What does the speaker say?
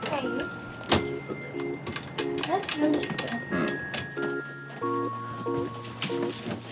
うん。